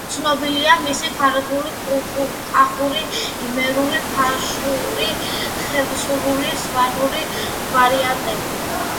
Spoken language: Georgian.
ცნობილია მისი ქართლური, კახური, იმერული, ფშაური, ხევსურული, სვანური ვარიანტები.